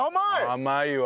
甘いわ。